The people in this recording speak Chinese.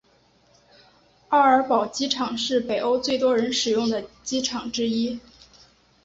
奥尔堡机场是北欧最多人使用的机场之一。